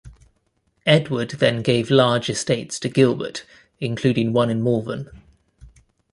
Edward then gave large estates to Gilbert, including one in Malvern.